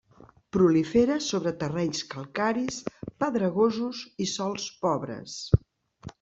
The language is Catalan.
Prolifera sobre terrenys calcaris, pedregosos i sòls pobres.